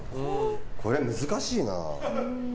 これ難しいな。